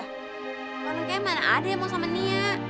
orang kayaknya mana ada yang mau sama nia